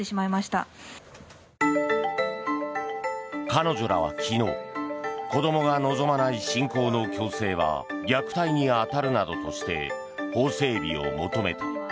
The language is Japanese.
彼女らは昨日子供が望まない信仰の強制は虐待に当たるなどとして法整備を求めた。